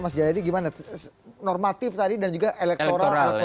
mas jayadi gimana normatif tadi dan juga elektoral